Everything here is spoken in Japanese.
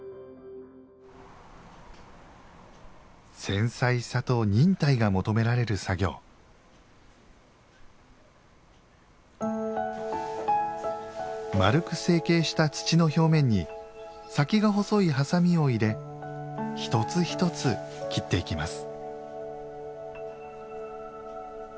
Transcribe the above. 繊細さと忍耐が求められる作業丸く成形した土の表面に先が細いハサミを入れ一つ一つ切っていきます